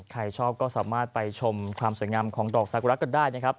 ใครชอบก็สามารถไปชมความสวยงามของดอกซากุระกันได้นะครับ